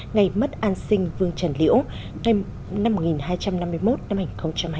ngày mất an sinh vương trần liễu năm một nghìn hai trăm năm mươi một năm hai nghìn hai mươi